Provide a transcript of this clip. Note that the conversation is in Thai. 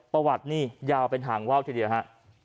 ประวัตินี่ยาวเป็นหางว่าวทีเดียวฮะ